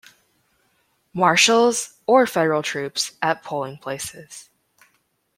Marshals or Federal troops at polling places.